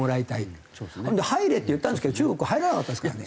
入れって言ったんですけど中国入らなかったですからね。